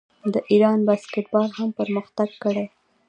د ایران باسکیټبال هم پرمختګ کړی.